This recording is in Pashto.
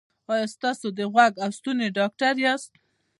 ایا تاسو د غوږ او ستوني ډاکټر یاست؟